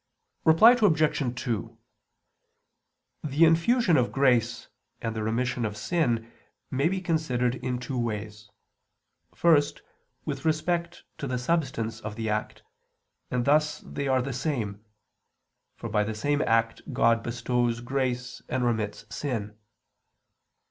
Reply Obj. 2: The infusion of grace and the remission of sin may be considered in two ways: first, with respect to the substance of the act, and thus they are the same; for by the same act God bestows grace and remits sin.